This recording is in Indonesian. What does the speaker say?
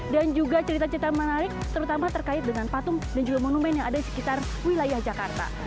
dan juga cerita cerita menarik terutama terkait dengan patung dan juga monumen yang ada di sekitar wilayah jakarta